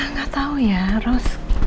nggak tahu ya rose